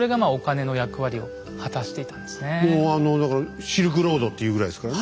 もうあのだから「シルクロード」と言うぐらいですからね。